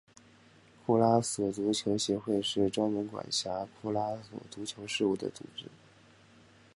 库拉索足球协会是专门管辖库拉索足球事务的组织。